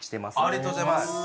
ありがとうございます。